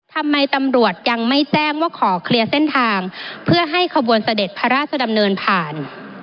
ทำไมตำรวจยังไม่แจ้งว่าขอเคลียร์เส้นทางเพื่อให้ขบวนเสด็จพระราชดำเนินผ่าน